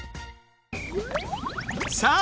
さあ！